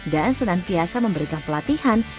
dan senantiasa memberikan pelatihan